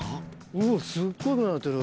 うわすっごいことなってる。